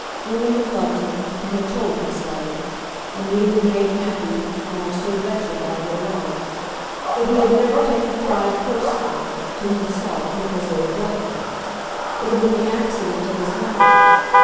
Women had loved him, and had told him so; and he had been made happy, and also wretched, by their love. But he had never taken pride, personally, to himself because they had loved him. It had been the accident of his life.